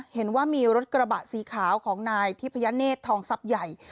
เห็นว่ามีรถกระบะสีขาวของนายทิพยเนธทองทรัพย์ใหญ่